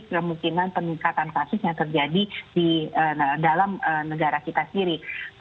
kemungkinan peningkatan kasus yang terjadi di dalam negara kita sendiri